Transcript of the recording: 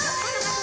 oh my darling